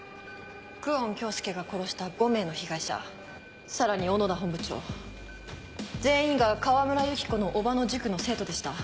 久遠京介が殺した５名の被害者さらに小野田本部長全員が川村由紀子の叔母の塾の生徒でした。